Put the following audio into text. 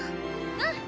うん。